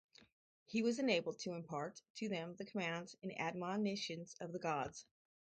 He was enabled to impart to them the commands and admonitions of the gods.